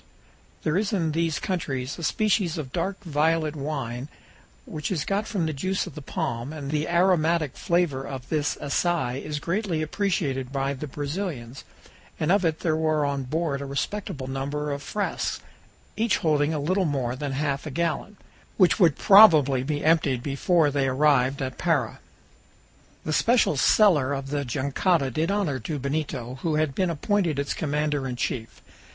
There is in these countries a species of dark violet wine, which is got from the juice of the palm, and the aromatic flavor of this "assais" is greatly appreciated by the Brazilans, and of it there were on board a respectable number of frasques (each holding a little more than half a gallon), which would probably be emptied before they arrived at Para. The special cellar of the jangada did honor to Benito, who had been appointed its commander in chief.